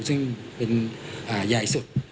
ซึ่งเป็นใหญ่สุด